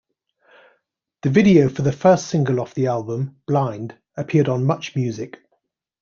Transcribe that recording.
The video for the first single off the album, "Blind", appeared on MuchMusic.